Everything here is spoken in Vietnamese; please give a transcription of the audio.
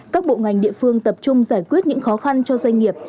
các bộ ngành địa phương tập trung giải quyết những khó khăn cho doanh nghiệp